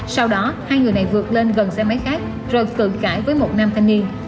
sau đó hai người này vượt lên gần xe máy khác rồi phượn cãi với một nam thanh niên